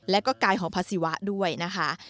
แล้วก็กายของพระศิวะด้วยนะคะ